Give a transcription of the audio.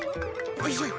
よいしょ。